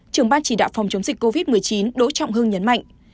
trưởng ban chỉ đạo phòng chống dịch covid một mươi chín đỗ trọng hưng nhấn mạnh